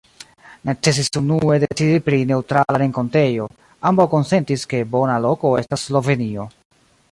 Necesis unue decidi pri neŭtrala renkontejo: ambaŭ konsentis, ke bona loko estas Slovenio.